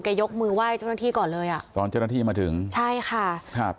ยกมือไหว้เจ้าหน้าที่ก่อนเลยอ่ะตอนเจ้าหน้าที่มาถึงใช่ค่ะครับ